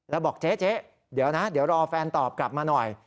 แล้วบอกเจ๊เดี๋ยวนะเดี๋ยวรอแฟนตอบกลับมาหน่อย